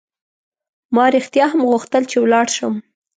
ما رښتیا هم غوښتل چې ولاړ شم.